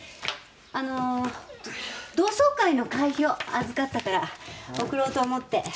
あの同窓会の会費を預かったから送ろうと思って。